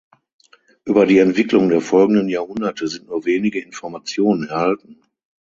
Über die Entwicklung der folgenden Jahrhunderte sind nur wenige Informationen erhalten.